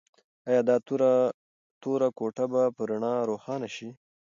ایا دا توره کوټه به په رڼا روښانه شي؟